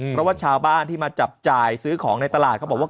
เพราะว่าชาวบ้านที่มาจับจ่ายซื้อของในตลาดเขาบอกว่า